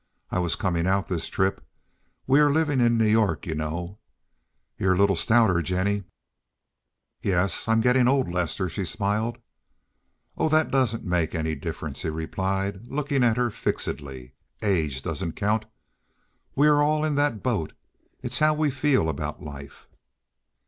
I was coming out this trip. We are living in New York, you know. You're a little stouter, Jennie." "Yes, I'm getting old, Lester," she smiled. "Oh, that doesn't make any difference," he replied, looking at her fixedly. "Age doesn't count. We are all in that boat. It's how we feel about life."